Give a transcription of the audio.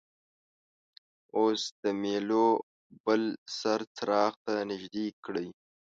اوس د میلو بل سر څراغ ته نژدې کړئ.